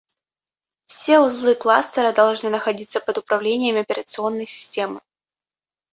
Все узлы кластера должны находиться под управлением операционной системы